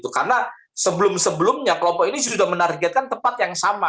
karena sebelum sebelumnya kelompok ini sudah menargetkan tempat yang sama